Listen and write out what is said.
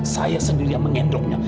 saya sendiri yang mengendongnya